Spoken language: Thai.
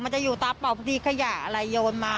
จะอยู่ตาเป่าพอดีขยะอะไรโยนมา